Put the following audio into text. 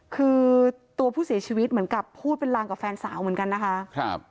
คือตัวผู้เสียชีวิตเหมือนกับพูดเป็นรางกับแฟนสาวเหมือนกันนะคะ